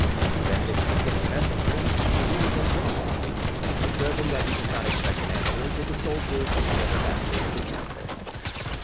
Then, dismissing the messengers, he saluted them graciously, observing that he did not expect an answer until the soldiers should have evacuated the castle.